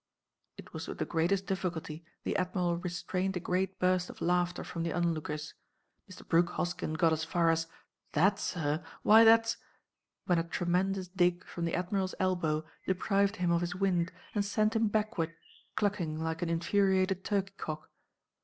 It was with the greatest difficulty the Admiral restrained a great burst of laughter from the onlookers. Mr. Brooke Hoskyn got as far as "That, sir? Why, that's—" when a tremendous dig from the Admiral's elbow deprived him of his wind, and sent him backward clucking like an infuriated turkey cock.